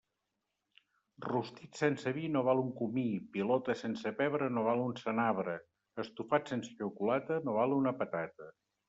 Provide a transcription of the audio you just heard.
Rostit sense vi no val un comí, pilota sense pebre no val un senabre, estofat sense xocolata no val una patata.